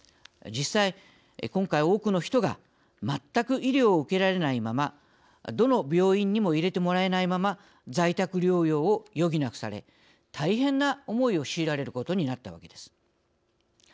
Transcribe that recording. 実際今回多くの人が全く医療を受けられないままどの病院にも入れてもらえないまま在宅療養を余儀なくされ大変な思いを強いられることになったわけです。